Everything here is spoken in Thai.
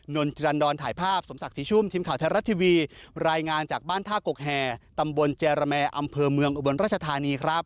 นนจรรดรถ่ายภาพสมศักดิ์ศรีชุ่มทีมข่าวไทยรัฐทีวีรายงานจากบ้านท่ากกแห่ตำบลเจรแมอำเภอเมืองอุบลราชธานีครับ